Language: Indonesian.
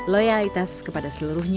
loyalitas kepada seluruhnya